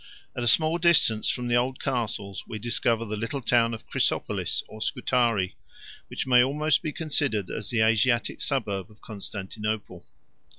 9 At a small distance from the old castles we discover the little town of Chrysopolis, or Scutari, which may almost be considered as the Asiatic suburb of Constantinople.